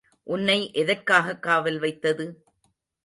உன்னை எதற்காகக் காவல் வைத்தது?